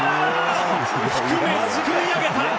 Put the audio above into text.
低め、すくい上げた！